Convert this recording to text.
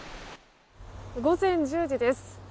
午前１０時です。